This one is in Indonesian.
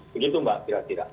begitu mbak kira kira